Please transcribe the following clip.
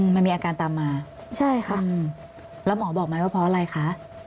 มันมีอาการตามมาใช่ค่ะแล้วหมอบอกไหมว่าเพราะอะไรคะ